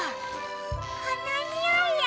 このにおいよ。